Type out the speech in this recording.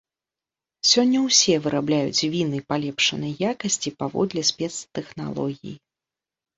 Сёння ўсе вырабляюць віны палепшанай якасці паводле спецтэхналогій.